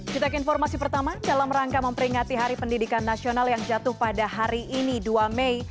kita ke informasi pertama dalam rangka memperingati hari pendidikan nasional yang jatuh pada hari ini dua mei